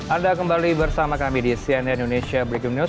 anda kembali bersama kami di cnn indonesia breaking news